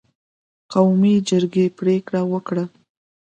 قومي جرګې پرېکړه وکړه